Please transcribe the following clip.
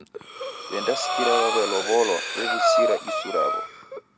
W'endasikira waw'elow'olwa w'emw'usira isu raw'o.